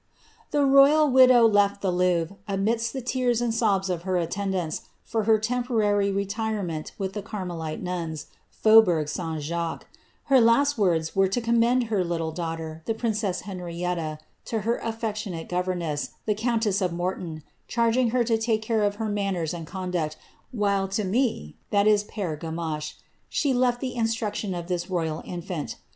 ^^ The royal widow lef\ the Louvre, amidst the tears and sobs of her attendants, for her temporary retirement with the Carmelite nuns, Faux bourg St. Jacques ; her last words were to commend her little daughter, [he princess Henrietta, to her afibctionate governess, the countess of Morton, charging her to take care of her manners and conduct, wiiile to me (Pere Gamache) she leA the instruction of this royal infant.